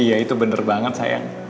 iya itu bener banget sayang